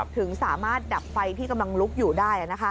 ถึงสามารถดับไฟที่กำลังลุกอยู่ได้